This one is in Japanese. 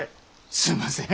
すんません。